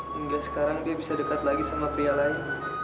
hingga sekarang dia bisa dekat lagi sama pria lain